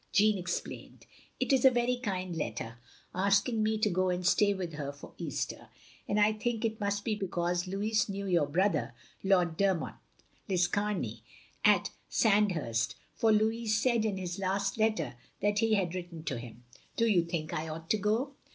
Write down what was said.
Jeanne explained. "It is a very kind letter; asking me to go and stay with her for Easter; and I think it must be because Louis knew your brother. Lord Dermot Liscamey, at Sandhurst, for Lotiis said in his last letter that he had written to him. Do you think I ought to go?"